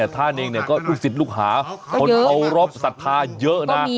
ท่านเองก็ลูกศิษย์ลูกหาคนเคารพศัฐษณณาเยอะจริง